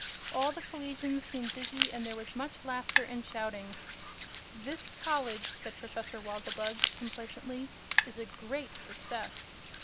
All the collegians seemed busy and there was much laughter and shouting. "This college," said Professor Wogglebug, complacently, "is a great success.